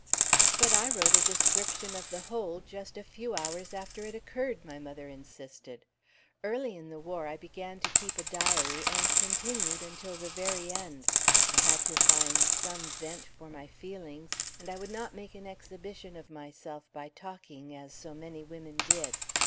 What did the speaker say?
"But I wrote a description of the whole, just a few hours after it occurred!" my mother insisted. "Early in the war I began to keep a diary, and continued until the very end; I had to find some vent for my feelings, and I would not make an exhibition of myself by talking, as so many women did.